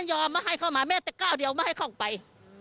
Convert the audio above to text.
ยอมมาให้เข้ามาแม้แต่ก้าวเดียวไม่ให้เข้าไป